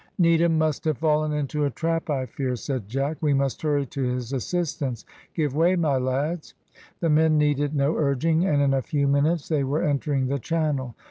"Needham must have fallen into a trap, I fear," said Jack, "we must hurry to his assistance. Give way, my lads!" The men needed no urging, and in a few minutes they were entering the channel.